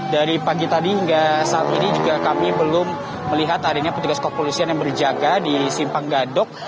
dari pagi tadi hingga saat ini juga kami belum melihat adanya petugas kepolisian yang berjaga di simpang gadok